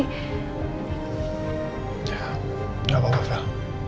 ya tidak apa apa fel